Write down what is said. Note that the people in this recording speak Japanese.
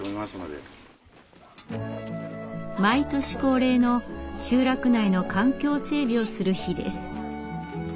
毎年恒例の集落内の環境整備をする日です。